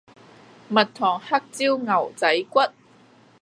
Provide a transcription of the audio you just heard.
蜜糖黑椒牛仔骨